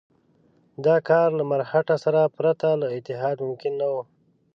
دا کار له مرهټه سره پرته له اتحاد ممکن نه وو.